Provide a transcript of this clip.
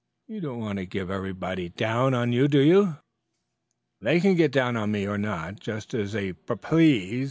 You don't want to get everybody down on you, do you?" "They can get down on me or not, just as they pup please!"